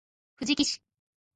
藤枝市